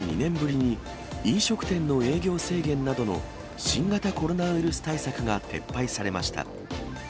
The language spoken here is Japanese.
きのうからおよそ２年ぶりに、飲食店の営業制限などの新型コロナウイルス対策が撤廃されました。